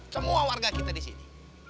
semua warga kita di sini